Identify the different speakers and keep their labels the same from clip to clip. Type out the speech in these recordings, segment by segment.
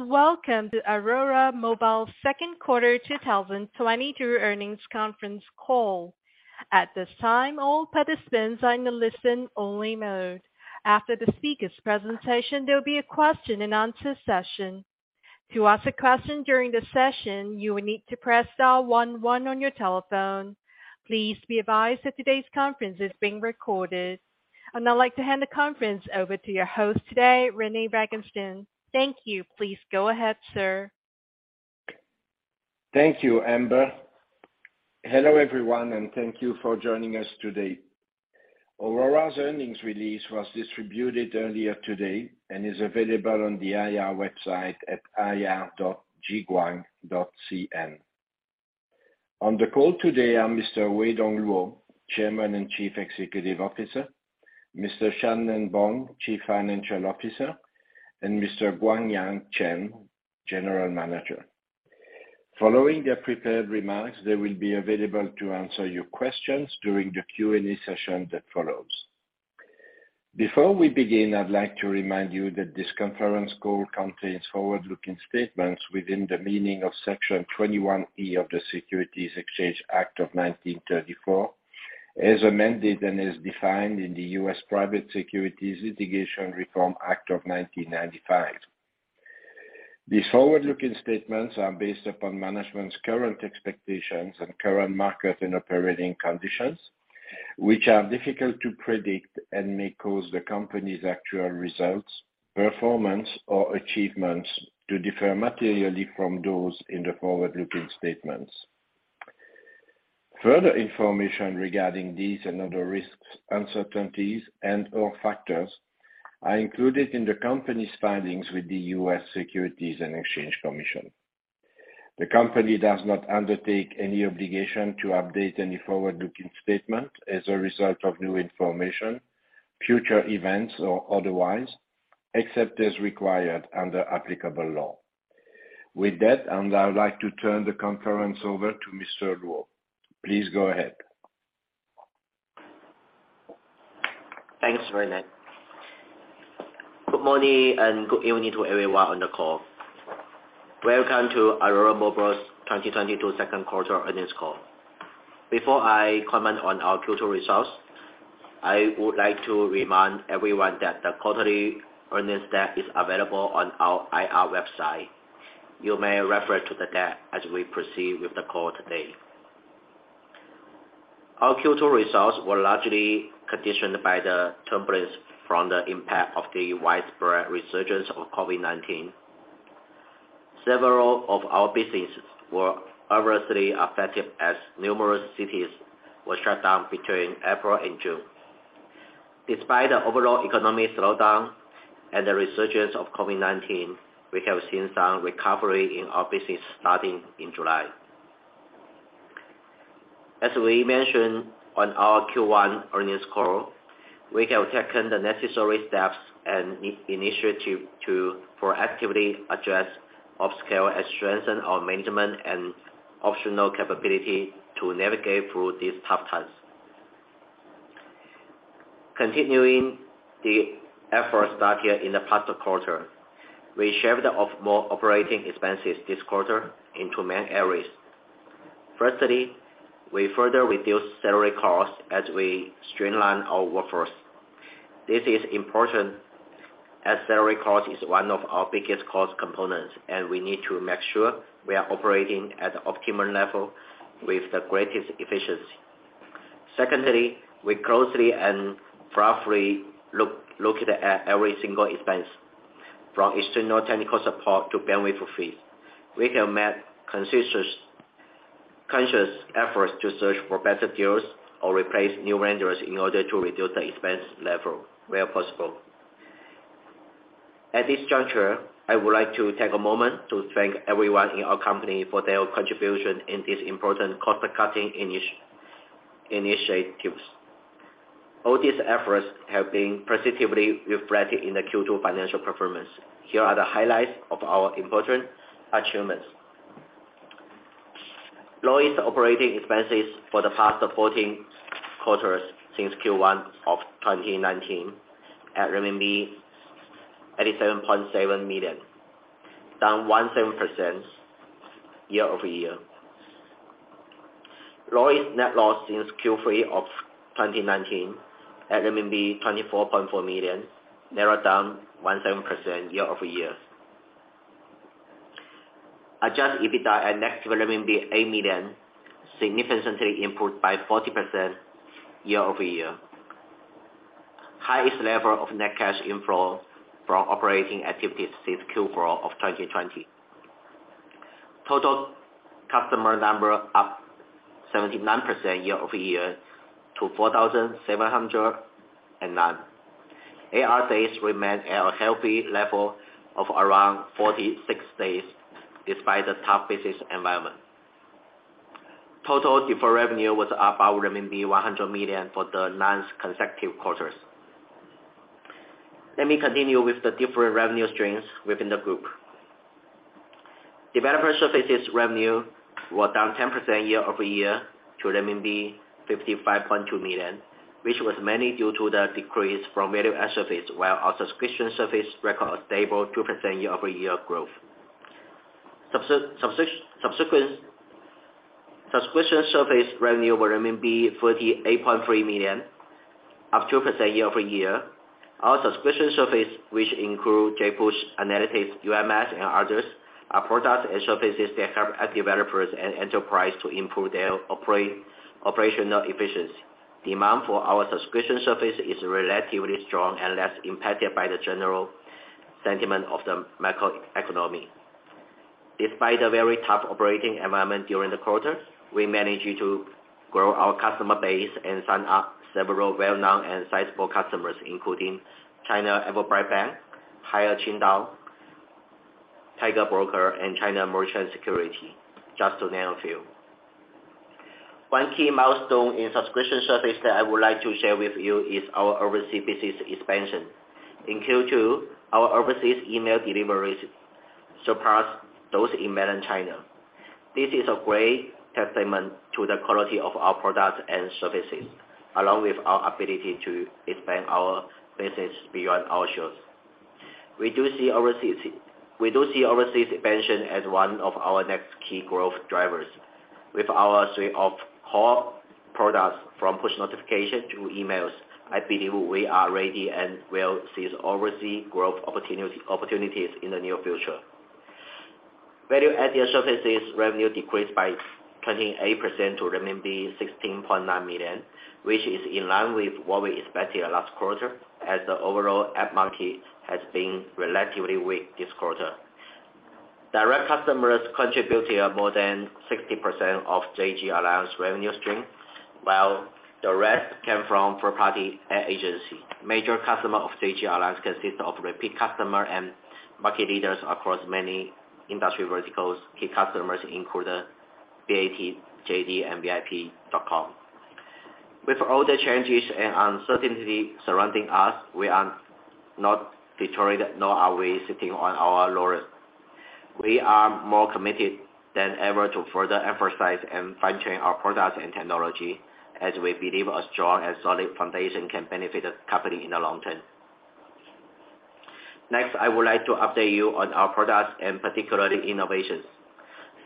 Speaker 1: Welcome to Aurora Mobile's second quarter 2022 earnings conference call. At this time, all participants are in a listen-only mode. After the speakers' presentation, there'll be a question-and-answer session. To ask a question during the session, you will need to press star one one on your telephone. Please be advised that today's conference is being recorded. I'd like to hand the conference over to your host today, Rene Vanguestaine. Thank you. Please go ahead, sir.
Speaker 2: Thank you, Amber. Hello, everyone, and thank you for joining us today. Aurora's earnings release was distributed earlier today and is available on the IR website at ir.jiguang.cn. On the call today are Mr. Weidong Luo, Chairman and Chief Executive Officer, Mr. Shan-Nen Bong, Chief Financial Officer, and Mr. Guangyan Chen, General Manager. Following their prepared remarks, they will be available to answer your questions during the Q&A session that follows. Before we begin, I'd like to remind you that this conference call contains forward-looking statements within the meaning of Section 21E of the Securities Exchange Act of 1934, as amended and as defined in the U.S. Private Securities Litigation Reform Act of 1995. These forward-looking statements are based upon management's current expectations and current market and operating conditions, which are difficult to predict and may cause the company's actual results, performance, or achievements to differ materially from those in the forward-looking statements. Further information regarding these and other risks, uncertainties, and/or factors are included in the company's filings with the U.S. Securities and Exchange Commission. The company does not undertake any obligation to update any forward-looking statement as a result of new information, future events, or otherwise, except as required under applicable law. With that, I would like to turn the conference over to Mr. Luo. Please go ahead.
Speaker 3: Thanks, Rene. Good morning and good evening to everyone on the call. Welcome to Aurora Mobile's 2022 second quarter earnings call. Before I comment on our Q2 results, I would like to remind everyone that the quarterly earnings deck is available on our IR website. You may refer to the deck as we proceed with the call today. Our Q2 results were largely conditioned by the turbulence from the impact of the widespread resurgence of COVID-19. Several of our businesses were adversely affected as numerous cities were shut down between April and June. Despite the overall economic slowdown and the resurgence of COVID-19, we have seen some recovery in our business starting in July. As we mentioned on our Q1 earnings call, we have taken the necessary steps and initiative to proactively address, upscale, and strengthen our management and operational capability to navigate through these tough times. Continuing the efforts started in the past quarter, we shaved off more operating expenses this quarter into main areas. Firstly, we further reduced salary costs as we streamlined our workforce. This is important as salary cost is one of our biggest cost components, and we need to make sure we are operating at the optimal level with the greatest efficiency. Secondly, we closely and thoroughly looked at every single expense from external technical support to bandwidth fees. We have made conscious efforts to search for better deals or replace new vendors in order to reduce the expense level where possible. At this juncture, I would like to take a moment to thank everyone in our company for their contribution in these important cost-cutting initiatives. All these efforts have been positively reflected in the Q2 financial performance. Here are the highlights of our important achievements. Lowest operating expenses for the past 14 quarters since Q1 of 2019 at RMB 87.7 million, down 1%-7% year-over-year. Lowest net loss since Q3 of 2019 at RMB 24.4 million, narrowed down 1%-7% year-over-year. Adjusted EBITDA at negative 8 million, significantly improved by 40% year-over-year. Highest level of net cash inflow from operating activities since Q4 of 2020. Total customer number up 79% year-over-year to 4,709. AR days remain at a healthy level of around 46 days despite the tough business environment. Total deferred revenue was about RMB 100 million for the ninth consecutive quarters. Let me continue with the different revenue streams within the group. Developer Services revenue were down 10% year-over-year to renminbi 55.2 million, which was mainly due to the decrease from value-added services, while our subscription services recorded a stable 2% year-over-year growth. Subscription services revenue were RMB 48.3 million, up 2% year-over-year. Our subscription services, which include JPush, Analytics, UMS, and others, are products and services that help app developers and enterprises to improve their operational efficiency. Demand for our subscription services is relatively strong and less impacted by the general sentiment of the macro economy. Despite the very tough operating environment during the quarter, we managed to grow our customer base and sign up several well-known and sizable customers, including China Everbright Bank, Haier Qingdao, Tiger Brokers, and China Merchants Securities, just to name a few. One key milestone in subscription services that I would like to share with you is our overseas business expansion. In Q2, our overseas email deliveries surpassed those in mainland China. This is a great testament to the quality of our products and services, along with our ability to expand our business beyond our shores. We do see overseas expansion as one of our next key growth drivers. With our suite of core products from push notification to emails, I believe we are ready and will seize overseas growth opportunities in the near future. Value-added services revenue decreased by 28% to 16.9 million, which is in line with what we expected last quarter as the overall app market has been relatively weak this quarter. Direct customers contributed more than 60% of JG Alliance revenue stream, while the rest came from third-party agency. Major customers of JG Alliance consist of repeat customers and market leaders across many industry verticals. Key customers include BAT, JD, and VIP.com. With all the changes and uncertainty surrounding us, we are not deterred, nor are we sitting on our laurels. We are more committed than ever to further emphasize and fine-tune our products and technology as we believe a strong and solid foundation can benefit the company in the long term. Next, I would like to update you on our products and particularly innovations.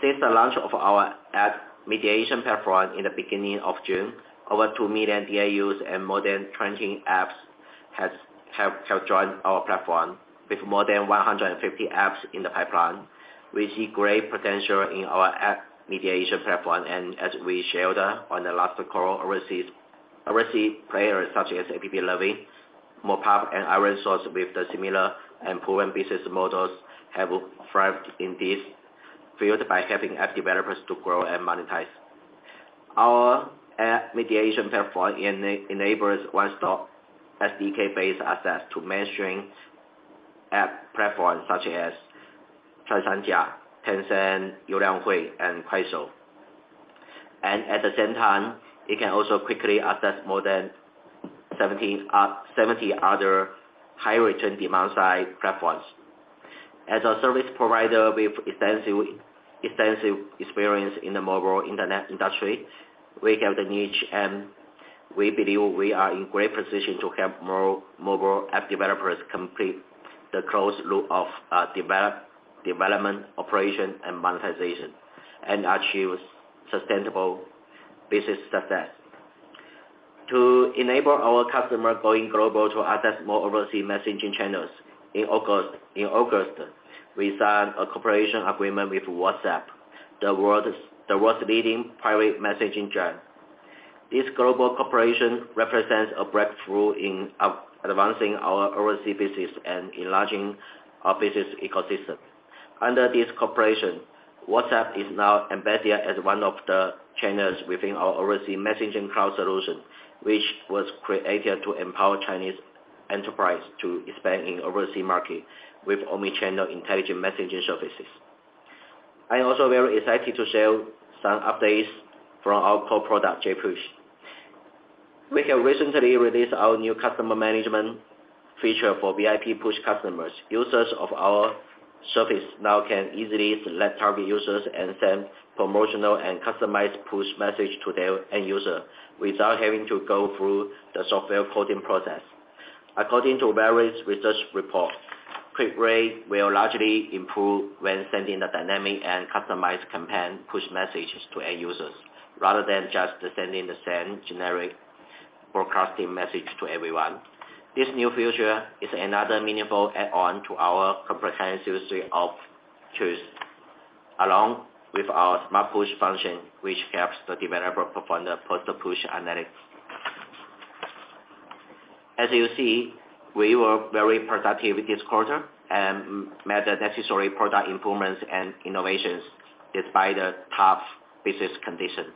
Speaker 3: Since the launch of our app mediation platform in the beginning of June, over 2 million DAUs and more than 20 apps have joined our platform with more than 150 apps in the pipeline. We see great potential in our app mediation platform, and as we shared on the last call, overseas players such as AppLovin, MoPub, and IronSource with the similar and proven business models have thrived in this field by helping app developers to grow and monetize. Our app mediation platform enables one-stop SDK-based access to mainstream app platforms such as 360, Tencent, Youku, and Kuaishou. At the same time, it can also quickly access more than 70 other high-return demand-side platforms. As a service provider with extensive experience in the mobile internet industry, we have the niche, and we believe we are in great position to help mobile app developers complete the closed loop of development, operation, and monetization, and achieve sustainable business success. To enable our customer going global to access more overseas messaging channels, in August, we signed a cooperation agreement with WhatsApp, the world's leading private messaging giant. This global cooperation represents a breakthrough in advancing our overseas business and enlarging our business ecosystem. Under this cooperation, WhatsApp is now embedded as one of the channels within our Overseas Messaging Cloud Solution, which was created to empower Chinese enterprise to expand in overseas market with omni-channel intelligent messaging services. I am also very excited to share some updates from our core product, JPush. We have recently released our new customer management feature for VIP Push customers. Users of our service now can easily select target users and send promotional and customized push message to their end user without having to go through the software coding process. According to various research reports, click rate will largely improve when sending a dynamic and customized campaign push messages to end users, rather than just sending the same generic broadcasting message to everyone. This new feature is another meaningful add-on to our comprehensive suite of tools, along with our Smart Push function, which helps the developer perform the post-push analytics. As you see, we were very productive this quarter and made the necessary product improvements and innovations despite the tough business condition.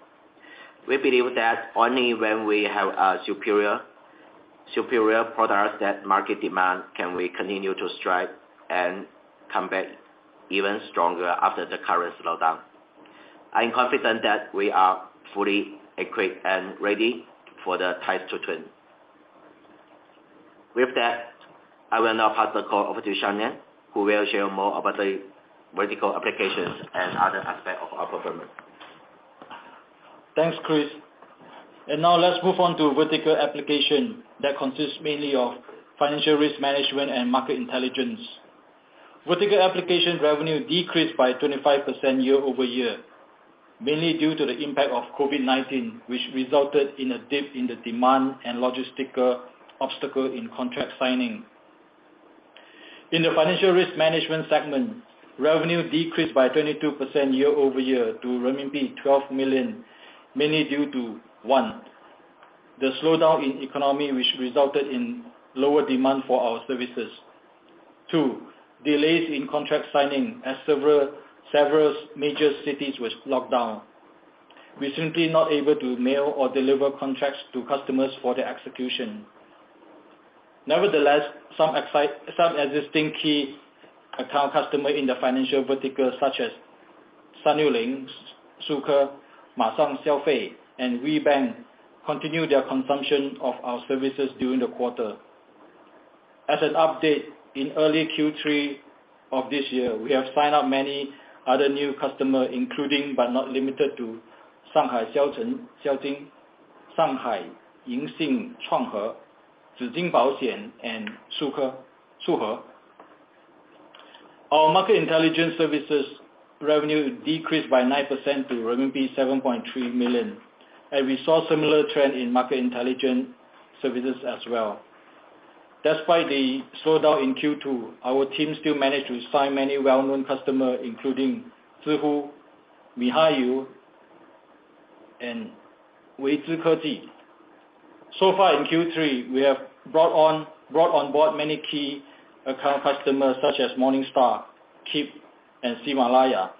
Speaker 3: We believe that only when we have a superior products that market demand can we continue to strive and come back even stronger after the current slowdown. I am confident that we are fully equipped and ready for the tides to turn. With that, I will now pass the call over to Shan-Nen, who will share more about the vertical applications and other aspects of our performance.
Speaker 4: Thanks, Chris. Now let's move on to Vertical Applications. That consists mainly of Financial Risk Management and Market Intelligence. Vertical Applications revenue decreased by 25% year-over-year, mainly due to the impact of COVID-19, which resulted in a dip in the demand and logistical obstacle in contract signing. In the Financial Risk Management segment, revenue decreased by 22% year-over-year to renminbi 12 million, mainly due to, one, the slowdown in economy, which resulted in lower demand for our services. Two, delays in contract signing as several major cities was locked down. We're simply not able to mail or deliver contracts to customers for their execution. Nevertheless, some existing key account customer in the financial vertical, such as Sanu Ling, Sucre, Mashang Xiaofei, and WeBank, continue their consumption of our services during the quarter. As an update, in early Q3 of this year, we have signed up many other new customer, including, but not limited to Shanghai Xiaoqing, Shanghai Jianxin Chuangke, Zijin Baoxian, and Sucre, Suhe. Our market intelligence services revenue decreased by 9% to 7.3 million, and we saw similar trend in market intelligence services as well. Despite the slowdown in Q2, our team still managed to sign many well-known customer, including Zhihu, miHoYo, and Weizhi Keji. So far in Q3, we have brought on board many key account customers such as Morningstar, Keep, and Ximalaya.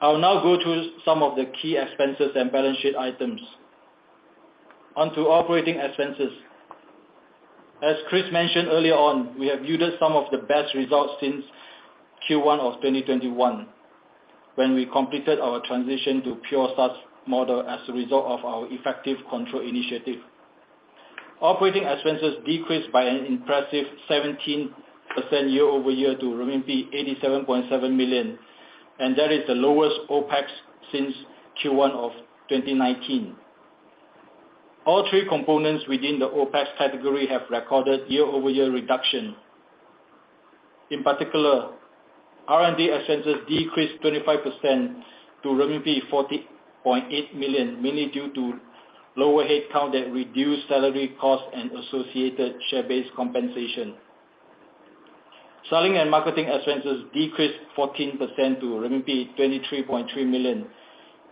Speaker 4: I'll now go through some of the key expenses and balance sheet items. On to operating expenses. As Chris mentioned earlier on, we have yielded some of the best results since Q1 of 2021, when we completed our transition to pure SaaS model as a result of our effective control initiative. Operating expenses decreased by an impressive 17% year-over-year to RMB 87.7 million, and that is the lowest OPEX since Q1 of 2019. All three components within the OPEX category have recorded year-over-year reduction. In particular, R&D expenses decreased 25% to renminbi 40.8 million, mainly due to lower headcount that reduced salary costs and associated share-based compensation. Selling and marketing expenses decreased 14% to 23.3 million,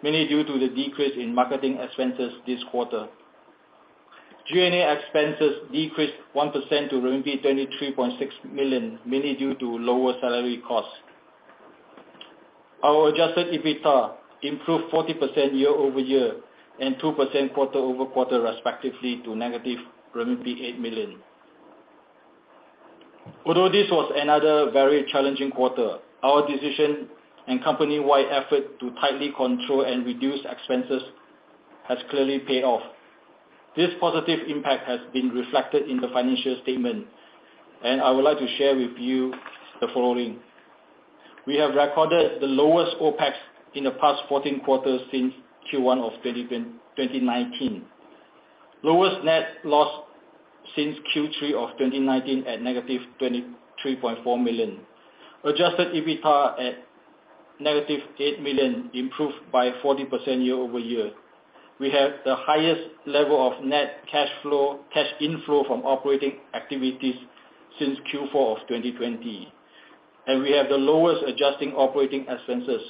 Speaker 4: mainly due to the decrease in marketing expenses this quarter. G&A expenses decreased 1% to renminbi 23.6 million, mainly due to lower salary costs. Our adjusted EBITDA improved 40% year-over-year and 2% quarter-over-quarter respectively to -8 million. Although this was another very challenging quarter, our decision and company-wide effort to tightly control and reduce expenses has clearly paid off. This positive impact has been reflected in the financial statement, and I would like to share with you the following. We have recorded the lowest OPEX in the past 14 quarters since Q1 of 2019. Lowest net loss since Q3 of 2019 at -23.4 million. Adjusted EBITDA at -8 million, improved by 40% year-over-year. We have the highest level of net cash flow, cash inflow from operating activities since Q4 of 2020. We have the lowest adjusting operating expenses,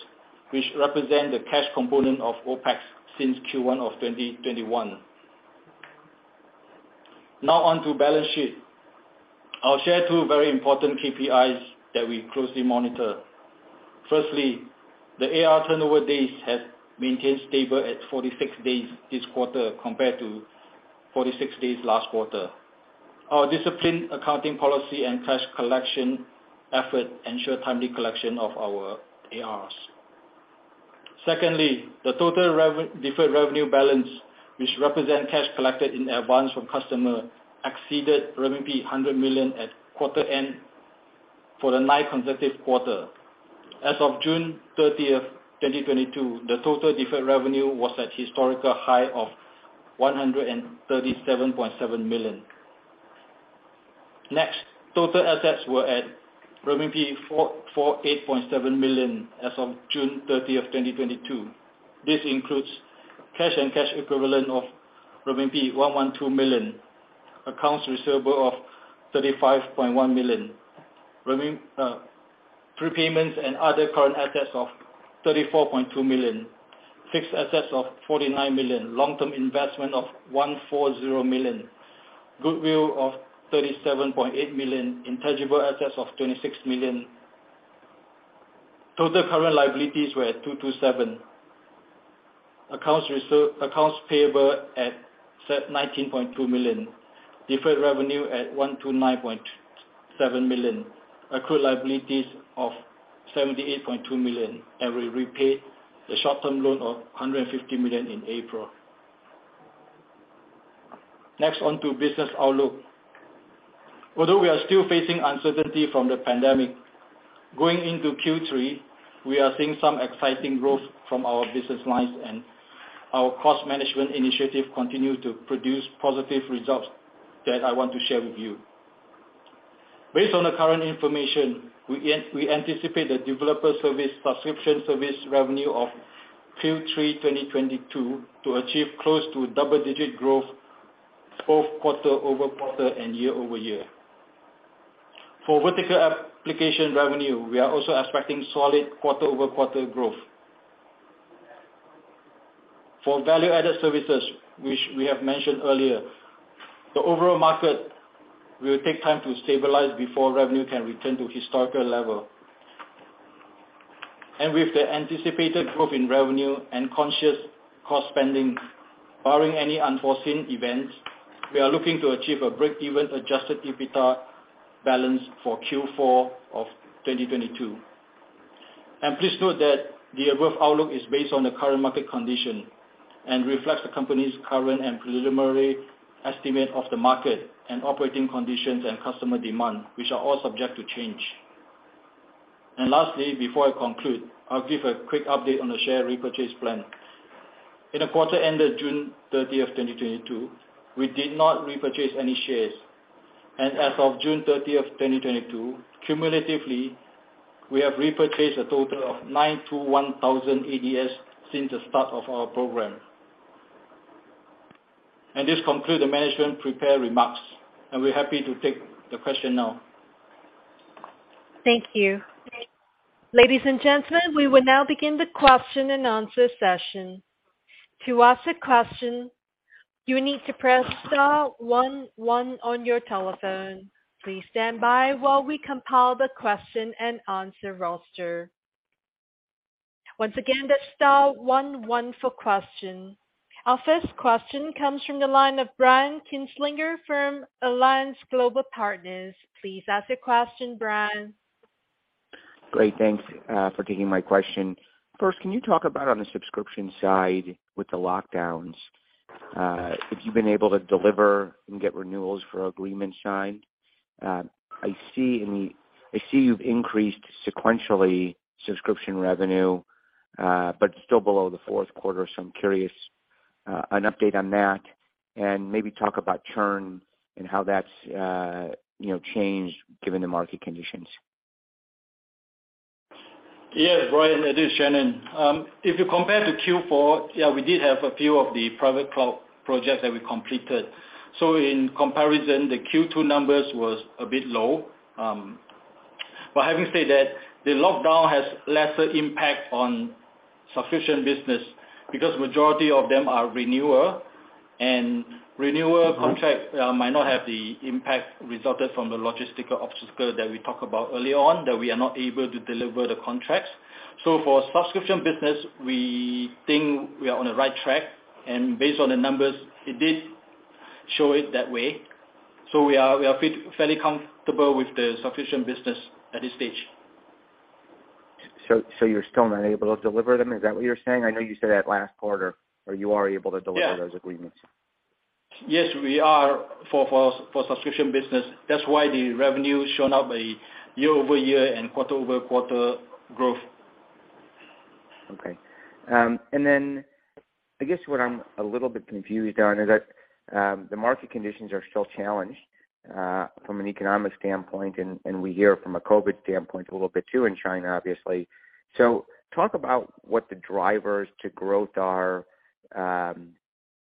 Speaker 4: which represent the cash component of OpEx since Q1 of 2021. Now on to balance sheet. I'll share two very important KPIs that we closely monitor. Firstly, the AR turnover days have maintained stable at 46 days this quarter compared to 46 days last quarter. Our disciplined accounting policy and cash collection effort ensure timely collection of our ARs. Secondly, the total deferred revenue balance, which represent cash collected in advance from customer, exceeded 100 million at quarter end for the nine consecutive quarter. As of June 30th, 2022, the total deferred revenue was at historical high of 137.7 million. Next, total assets were at 448.7 million as of June 30th, 2022. This includes cash and cash equivalents of RMB 112 million, accounts receivable of 35.1 million, prepayments and other current assets of 34.2 million, fixed assets of 49 million, long-term investments of 140 million, goodwill of 37.8 million, intangible assets of 26 million. Total current liabilities were at 227 million. Accounts payable at 19.2 million. Deferred revenue at 129.7 million. Accrued liabilities of 78.2 million, and we repaid the short-term loan of 150 million in April. Next onto business outlook. Although we are still facing uncertainty from the pandemic, going into Q3, we are seeing some exciting growth from our business lines, and our cost management initiative continue to produce positive results that I want to share with you. Based on the current information, we anticipate the Developer Services subscription services revenue of Q3 2022 to achieve close to double-digit growth both quarter-over-quarter and year-over-year. For Vertical Applications revenue, we are also expecting solid quarter-over-quarter growth. For Value-Added Services, which we have mentioned earlier, the overall market will take time to stabilize before revenue can return to historical level. With the anticipated growth in revenue and conscious cost spending, barring any unforeseen events, we are looking to achieve a break-even adjusted EBITDA balance for Q4 of 2022. Please note that the above outlook is based on the current market condition and reflects the company's current and preliminary estimate of the market and operating conditions and customer demand, which are all subject to change. Lastly, before I conclude, I'll give a quick update on the share repurchase plan. In the quarter ended June 30th, 2022, we did not repurchase any shares. As of June 30th, 2022, cumulatively, we have repurchased a total of 9-1,000 ADS since the start of our program. This concludes the management's prepared remarks. We're happy to take the question now.
Speaker 1: Thank you. Ladies and gentlemen, we will now begin the question-and-answer session. To ask a question, you need to press star one one on your telephone. Please stand by while we compile the question-and-answer roster. Once again, that's star one one for question. Our first question comes from the line of Brian Kinstlinger from Alliance Global Partners. Please ask your question, Brian.
Speaker 5: Great. Thanks for taking my question. First, can you talk about on the subscription side with the lockdowns, if you've been able to deliver and get renewals for agreement signed? I see you've increased sequentially subscription revenue, but still below the fourth quarter. I'm curious, an update on that, and maybe talk about churn and how that's, you know, changed given the market conditions.
Speaker 4: Yes, Brian, it is Shannon. If you compare to Q4, we did have a few of the private cloud projects that we completed. In comparison, the Q2 numbers was a bit low. But having said that, the lockdown has lesser impact on subscription business because majority of them are renewal, and renewal contract might not have the impact resulted from the logistical obstacle that we talked about earlier on, that we are not able to deliver the contracts. For subscription business, we think we are on the right track. Based on the numbers, it did show it that way. We feel fairly comfortable with the subscription business at this stage.
Speaker 5: You're still not able to deliver them. Is that what you're saying? I know you said that last quarter or you are able to deliver.
Speaker 4: Yeah.
Speaker 5: those agreements.
Speaker 4: Yes, we are for subscription business. That's why the revenue shown up a year-over-year and quarter-over-quarter growth.
Speaker 5: Okay. Then I guess what I'm a little bit confused on is that, the market conditions are still challenged, from an economic standpoint, and we hear from a COVID standpoint a little bit too in China, obviously. Talk about what the drivers to growth are.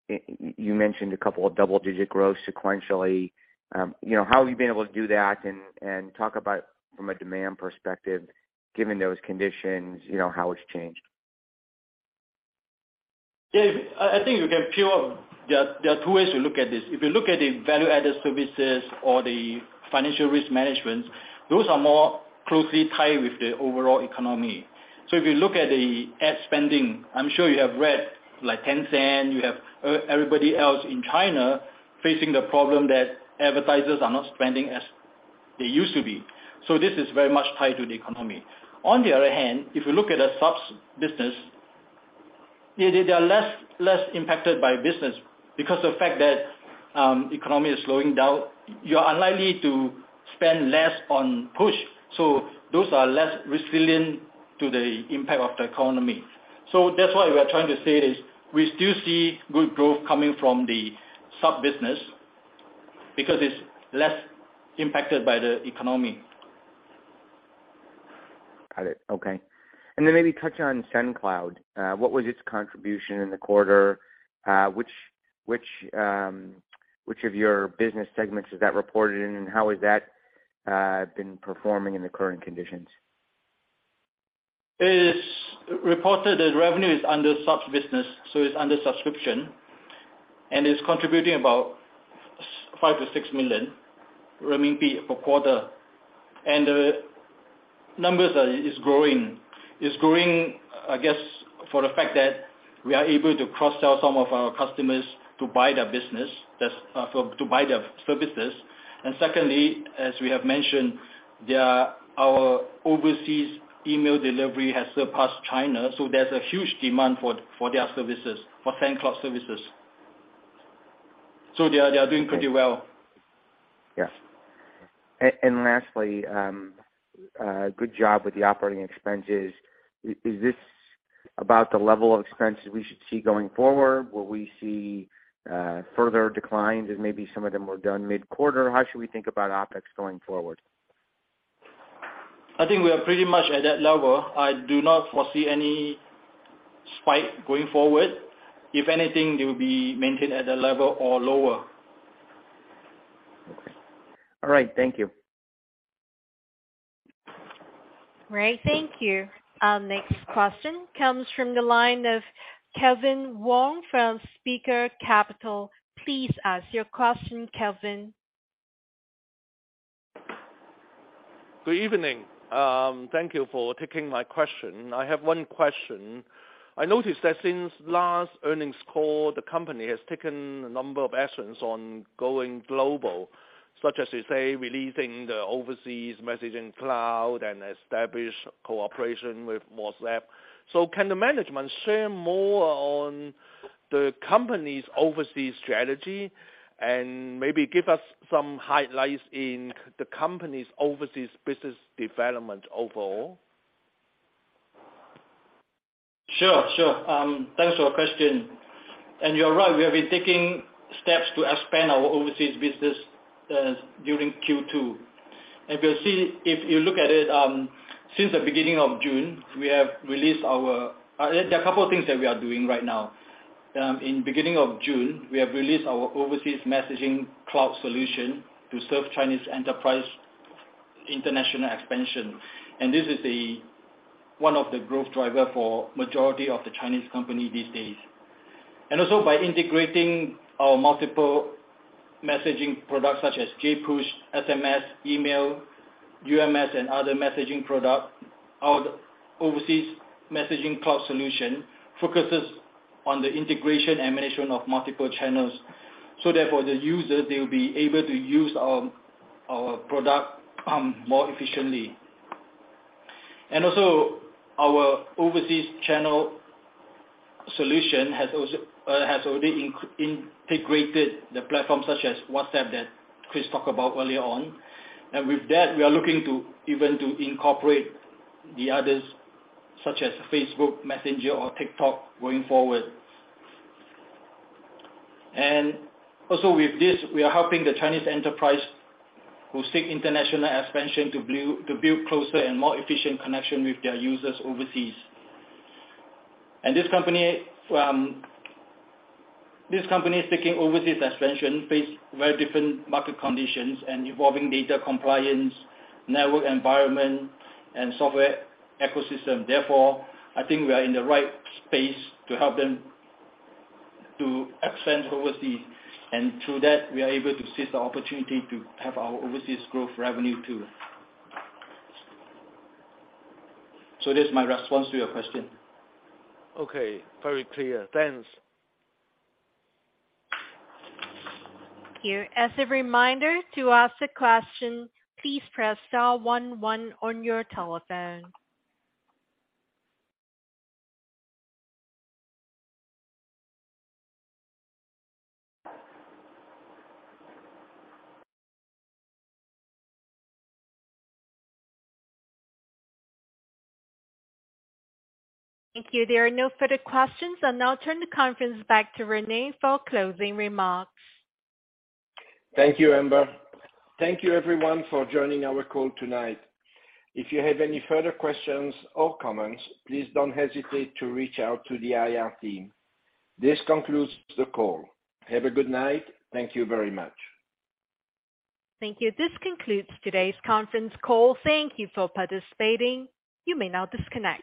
Speaker 5: You mentioned a couple of double-digit growth sequentially. You know, how have you been able to do that? Talk about from a demand perspective, given those conditions, you know, how it's changed.
Speaker 4: Yeah. I think you can feel. There are two ways to look at this. If you look at the Value-Added Services or the Financial Risk Management, those are more closely tied with the overall economy. If you look at the ad spending, I'm sure you have read like Tencent, you have everybody else in China facing the problem that advertisers are not spending as they used to be. This is very much tied to the economy. On the other hand, if you look at the subs business, they are less impacted by business because the fact that economy is slowing down, you're unlikely to spend less on push. Those are less resilient to the impact of the economy. That's why we are trying to say this, we still see good growth coming from the sub business because it's less impacted by the economy.
Speaker 5: Got it. Okay. Maybe touch on SendCloud. What was its contribution in the quarter? Which of your business segments is that reported in, and how has that been performing in the current conditions?
Speaker 4: It is reported that revenue is under subscription business, so it's under subscription, and it's contributing about 5-6 million renminbi per quarter. The numbers are growing, I guess, for the fact that we are able to cross-sell some of our customers to buy their business. That's for to buy their services. Secondly, as we have mentioned, our overseas email delivery has surpassed China, so there's a huge demand for their services, for SendCloud services. They are doing pretty well.
Speaker 5: Yes. Lastly, good job with the operating expenses. Is this about the level of expenses we should see going forward? Will we see further declines as maybe some of them were done mid-quarter? How should we think about OpEx going forward?
Speaker 4: I think we are pretty much at that level. I do not foresee any spike going forward. If anything, they will be maintained at that level or lower.
Speaker 5: Okay. All right. Thank you.
Speaker 1: Great. Thank you. Our next question comes from the line of Calvin Wong from Spica Capital. Please ask your question, Calvin.
Speaker 6: Good evening. Thank you for taking my question. I have one question. I noticed that since last earnings call, the company has taken a number of actions on going global, such as, you say, releasing the overseas messaging cloud and establish cooperation with WhatsApp. Can the management share more on the company's overseas strategy and maybe give us some highlights in the company's overseas business development overall?
Speaker 4: Sure. Thanks for your question. You're right, we have been taking steps to expand our overseas business during Q2. If you look at it, since the beginning of June, we have released our Overseas Messaging Cloud Solution to serve Chinese enterprise international expansion. There are a couple of things that we are doing right now. In beginning of June, we have released our Overseas Messaging Cloud Solution to serve Chinese enterprise international expansion. This is one of the growth driver for majority of the Chinese company these days. By integrating our multiple messaging products such as JPush, SMS, email, UMS and other messaging product, our Overseas Messaging Cloud Solution focuses on the integration and management of multiple channels. Therefore, the user, they will be able to use our product more efficiently. Our overseas channel solution has also already integrated the platforms such as WhatsApp that Chris talked about earlier on. With that, we are looking to incorporate the others such as Facebook Messenger or TikTok going forward. With this, we are helping the Chinese enterprise who seek international expansion to build closer and more efficient connection with their users overseas. This company is taking overseas expansion face very different market conditions and evolving data compliance, network environment, and software ecosystem. Therefore, I think we are in the right space to help them to expand overseas. Through that, we are able to seize the opportunity to have our overseas growth revenue too. That's my response to your question.
Speaker 6: Okay. Very clear. Thanks.
Speaker 1: Thank you. As a reminder, to ask a question, please press star one one on your telephone. Thank you. There are no further questions. I'll now turn the conference back to Rene for closing remarks.
Speaker 2: Thank you, Amber. Thank you everyone for joining our call tonight. If you have any further questions or comments, please don't hesitate to reach out to the IR team. This concludes the call. Have a good night. Thank you very much.
Speaker 1: Thank you. This concludes today's conference call. Thank you for participating. You may now disconnect.